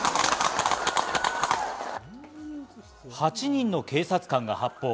８人の警察官が発砲。